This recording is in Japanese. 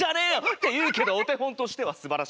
っていうけどおてほんとしてはすばらしい。